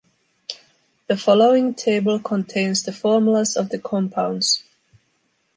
The following table contains the formulas of the compounds.